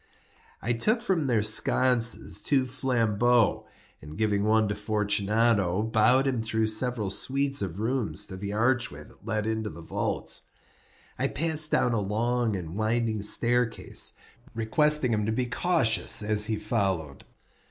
I took from their sconces two flambeaux, and giving one to Fortunato, bowed him through several suites of rooms to the archway that led into the vaults. I passed down a long and winding staircase, requesting him to be cautious as he followed.